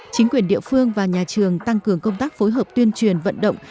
chính quyền địa phương và nhà trường tăng cường công tác phối hợp tuyên truyền vận động